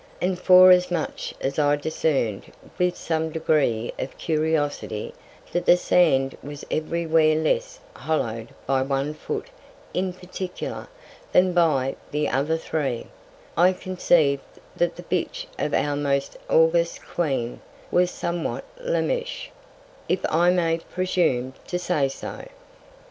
And forasmuch as I discern'd; with some Degree of Curiosity, that the Sand was every where less hollow'd by one Foot in particular, than by the other three, I conceiv'd that the Bitch of our most august Queen was somewhat lamish, if I may presume to say so.